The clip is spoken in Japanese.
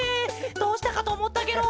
どうしたかとおもったケロ！